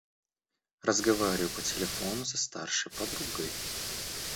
Разговариваю по телефону со старшей подругой.